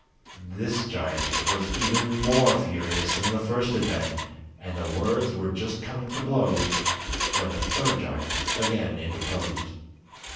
This giant was even more furious than the first had been, and words were just coming to blows, when the third giant again interposed.